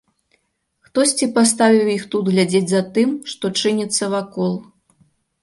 Хтосьці паставіў іх тут глядзець за тым, што чыніцца вакол.